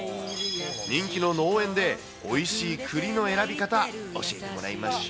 人気の農園でおいしいくりの選び方、教えてもらいましょう。